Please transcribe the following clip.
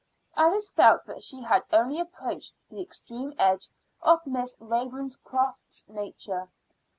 Alice felt that she had only approached the extreme edge of Miss Ravenscroft's nature.